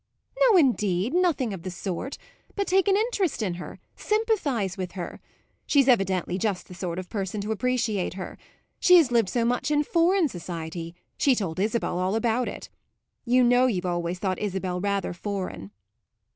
"No indeed; nothing of the sort. But take an interest in her sympathise with her. She's evidently just the sort of person to appreciate her. She has lived so much in foreign society; she told Isabel all about it. You know you've always thought Isabel rather foreign."